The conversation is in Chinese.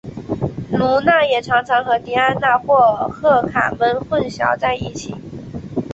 卢娜也常常和狄安娜或赫卡忒混淆在一起。